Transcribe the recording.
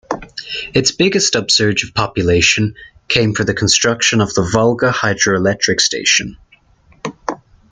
Its biggest upsurge of population came for the construction of the Volga Hydroelectric Station.